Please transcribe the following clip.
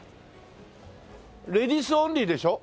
レディースオンリーでしょ？